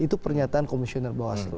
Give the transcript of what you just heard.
itu pernyataan komisioner bawaslu